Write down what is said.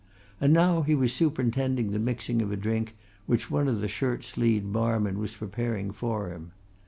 And now he was superintending the mixing of a drink which one of the shirt sleeved barmen was preparing for him.